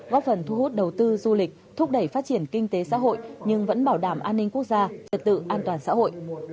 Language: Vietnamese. góp phần thu hút đầu tư du lịch thúc đẩy phát triển kinh tế xã hội nhưng vẫn bảo đảm an ninh quốc gia trật tự an toàn xã hội